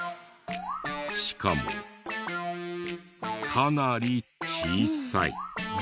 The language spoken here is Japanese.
しかもかなり小さい。